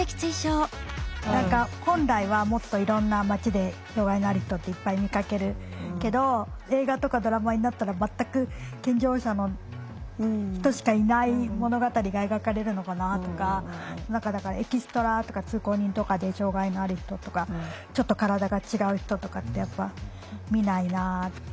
何か本来はもっといろんな街で障害のある人っていっぱい見かけるけど映画とかドラマになったら全く健常者の人しかいない物語が描かれるのかなとか何かだからエキストラとか通行人とかで障害のある人とかちょっと体が違う人とかってやっぱ見ないなって。